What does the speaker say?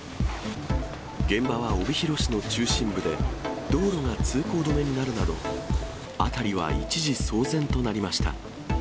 現場は帯広市の中心部で、道路が通行止めになるなど、辺りは一時騒然となりました。